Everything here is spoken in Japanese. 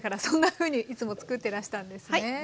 そんなふうにいつも作ってらしたんですね。